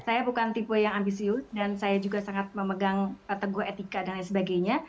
saya bukan tipe yang ambisius dan saya juga sangat memegang kategori etika dan lain sebagainya